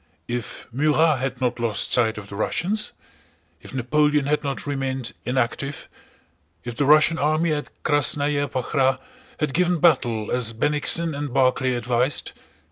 If Murat had not lost sight of the Russians? If Napoleon had not remained inactive? If the Russian army at Krásnaya Pakhrá had given battle as Bennigsen and Barclay advised?